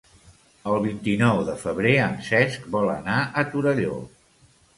El vint-i-nou de febrer en Cesc vol anar a Torelló.